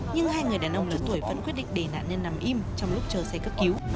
nhưng hai người đàn ông lớn tuổi vẫn quyết định để nạn nhân nằm im trong lúc chờ xe cấp cứu